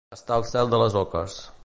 Estar al cel de les oques.